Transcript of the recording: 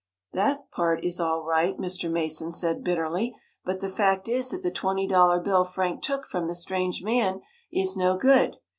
"That part is all right," Mr. Mason said, bitterly, "but the fact is that the twenty dollar bill Frank took from the strange man is no good.